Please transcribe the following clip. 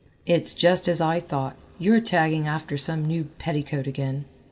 "It's just as I thought, you are tagging after some new petticoat again.